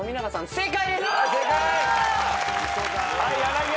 正解です！